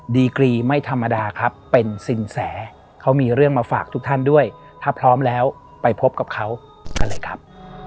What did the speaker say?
ดีกรีไม่ธรรมดาครับเป็นสินแสเขามีเรื่องมาฝากทุกท่านด้วยถ้าพร้อมแล้วไปพบกับเขากันเลยครับ